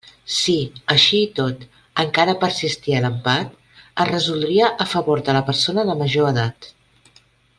Si, així i tot, encara persistia l'empat, es resoldria a favor de la persona de major edat.